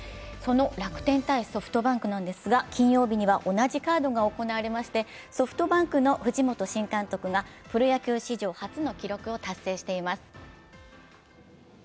その楽天×ソフトバンクですが、金曜日には同じカードが行われましてソフトバンクの藤本新監督がプロ野球史上初の記録を達成しています。